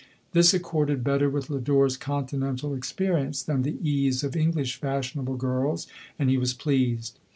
This accorded better with Lodore's continental experience, than the ease of English fashionable girls, and he was pleased.